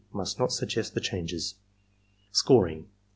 must not suggest the changes. Scoring.